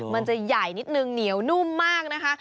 มันจะใหญ่นิดนึงเหนียวนุ่มมากนะคะ